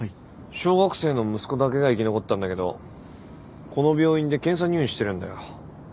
小学生の息子だけが生き残ったんだけどこの病院で検査入院してるんだよ。